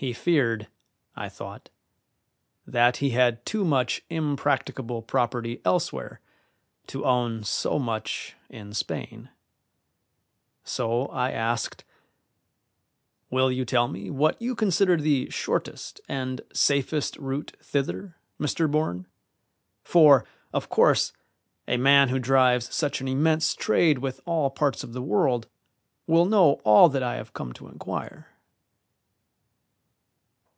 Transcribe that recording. He feared, I thought, that he had too much impracticable property elsewhere to own so much in Spain: so I asked: "Will you tell me what you consider the shortest and safest route thither, Mr. Bourne? for, of course, a man who drives such an immense trade with all parts of the world will know all that I have come to inquire."